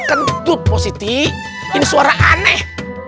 kentut positi ini suara aneh